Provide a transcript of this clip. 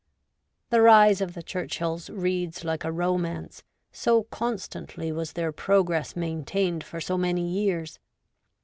The rise of the Churchills reads like a romance, so constantly was their progress maintained for so many years.